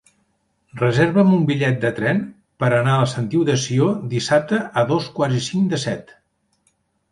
Reserva'm un bitllet de tren per anar a la Sentiu de Sió dissabte a dos quarts i cinc de set.